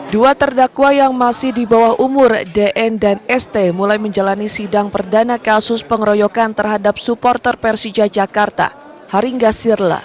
dua terdakwa yang masih di bawah umur dn dan st mulai menjalani sidang perdana kasus pengeroyokan terhadap supporter persija jakarta haringga sirla